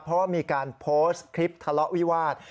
เพราะว่ามีการโพสต์คลิปทะเลาะวิวาส